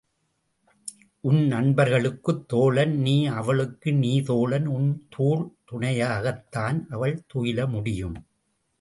உன் நண்பர்களுக்குத் தோழன் நீ அவளுக்கு நீ தோளன் உன் தோள் துணையாகத் தான் அவள் துயில முடியும்.